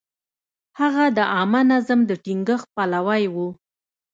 هغه د عامه نظم د ټینګښت پلوی و.